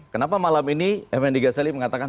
kenapa malam ini mnd gaseli mengatakan